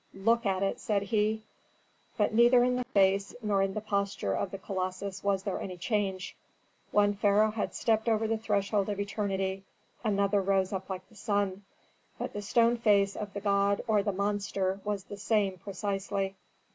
"Look at it," said he. But neither in the face nor in the posture of the colossus was there any change. One pharaoh had stepped over the threshold of eternity; another rose up like the sun, but the stone face of the god or the monster was the same precisely.